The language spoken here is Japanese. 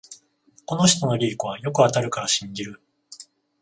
この人のリークはよく当たるから信じる